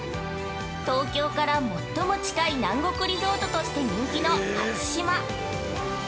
東京から最も近い南国リゾートとして人気の初島。